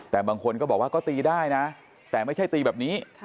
แต่บางคนก็บอกว่าก็ตีได้นะแต่ไม่ใช่ตีแบบนี้